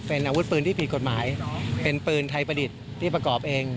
เป็นอาวุธปืนที่ผิดกฎหมายเป็นปืนไทยประดิษฐ์ที่ประกอบเอง